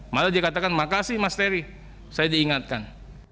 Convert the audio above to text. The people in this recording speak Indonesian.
malah dikatakan makasih mas terry saya diingatkan